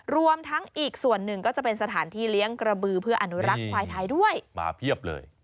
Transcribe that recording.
รวมทั้งอีกส่วนหนึ่งก็จะเป็นสถานที่เลี้ยงกระบือเพื่ออนุรักษ์ควายไทยด้วยมาเพียบเลย